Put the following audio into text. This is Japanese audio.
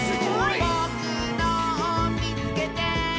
「ぼくのをみつけて！」